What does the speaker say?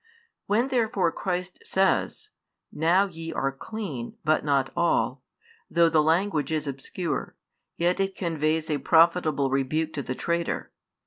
When therefore Christ says: Now ye are clean, but not all, though the language is obscure, yet it conveys a profitable rebuke to the traitor.